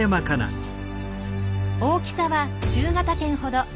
大きさは中型犬ほど。